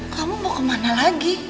kamu mau kemana lagi